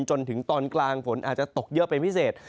จนถึงตอนกลางฝนอาจจะตกเยอะเป็นพิเศษ